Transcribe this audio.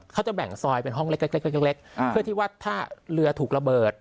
เขาจะแบ่งซอยเป็นห้องเล็กเล็กเพื่อที่ว่าถ้าเรือถูกระเบิด